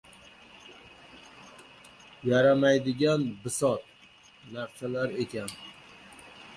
yaramaydigan bisot, narsalar ekan.